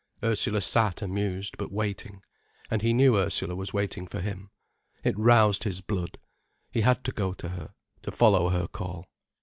Ursula sat amused, but waiting. And he knew Ursula was waiting for him. It roused his blood. He had to go to her, to follow her call.